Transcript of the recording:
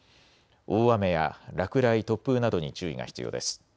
大雨や落雷、突風などに注意が必要です。